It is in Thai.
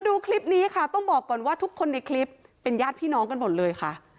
ดูคลิปนี้ค่ะต้องบอกก่อนว่าทุกคนในคลิปเป็นญาติพี่น้องกันหมดเลยค่ะ